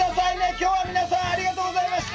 今日は皆さんありがとうございました！